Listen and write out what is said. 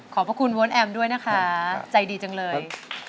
ขอบพระคุณวอนแอมด้วยนะคะใจดีจังเลย